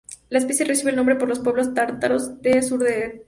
La especie recibe el nombre por los pueblos tártaros del sur de Rusia.